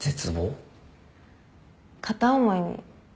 片思いに。